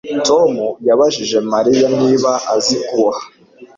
Tom yabajije Mariya niba azi kuboha